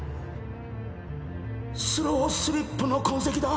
スロースリップの痕跡だ